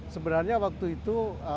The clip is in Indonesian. sebenarnya waktu itu